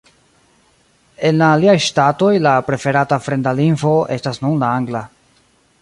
En la aliaj ŝtatoj, la preferata fremda lingvo estas nun la angla.